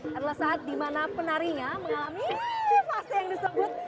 adalah saat di mana penarinya mengalami fase yang disebut